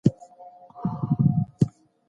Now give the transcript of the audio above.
د جرمونو مخنیوی د ټولو دنده ده.